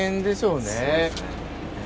そうですね。